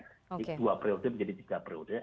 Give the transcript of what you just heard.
jadi dua periode menjadi tiga periode